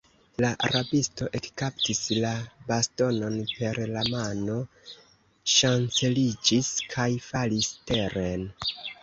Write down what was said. La rabisto ekkaptis la bastonon per la mano, ŝanceliĝis kaj falis teren.